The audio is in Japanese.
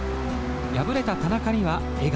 敗れた田中には笑顔。